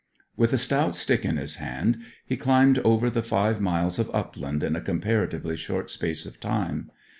With a stout stick in his hand he climbed over the five miles of upland in a comparatively short space of time.